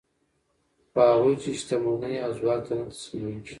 خو هغوی چې شتمنۍ او ځواک ته نه تسلیمېږي